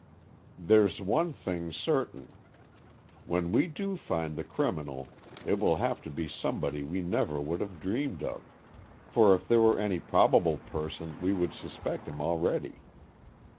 "There's one thing certain: when we do find the criminal it will have to be somebody we never would have dreamed of; for if there were any probable person we would suspect him already.